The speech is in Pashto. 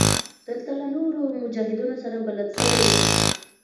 دلته له نورو مجاهدينو سره بلد سوى وم.